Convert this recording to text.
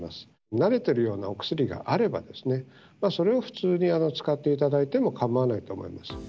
慣れてるようなお薬があればですね、それを普通に使っていただいても構わないと思います。